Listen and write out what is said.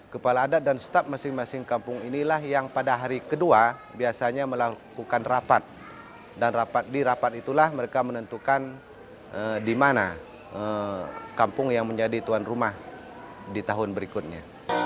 kepala adat dan staf masing masing kampung inilah yang pada hari kedua biasanya melakukan rapat dan di rapat itulah mereka menentukan di mana kampung yang menjadi tuan rumah di tahun berikutnya